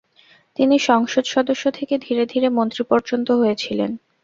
তিনি সংসদ সদস্য থেকে ধীরে ধীরে মন্ত্রী পর্যন্ত হয়েছিলেন।